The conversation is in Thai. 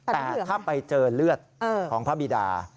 แต่ถ้าไปเจอเลือดของพระบิดา